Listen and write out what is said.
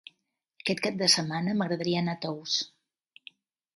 Aquest cap de setmana m'agradaria anar a Tous.